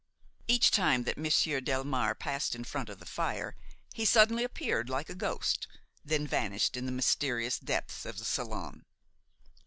Each time that Monsieur Delmare passed in front of the fire, he suddenly appeared, like a ghost, then vanished in the mysterious depths of the salon.